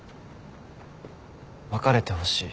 別れてほしい。